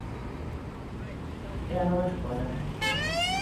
E a nova escola?